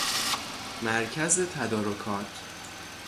مرکز تدارکات